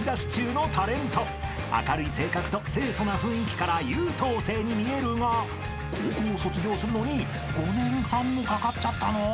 ［明るい性格と清楚な雰囲気から優等生に見えるが高校を卒業するのに５年半もかかっちゃったの？］